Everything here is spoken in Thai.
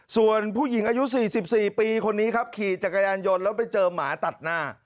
ส่วนผู้หญิงอายุ๔๔ปีคนนี้ครับขี่จักรยานยนต์แล้วไปเจอหมาตัดหน้า